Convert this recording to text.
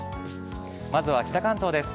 まずは北関東です。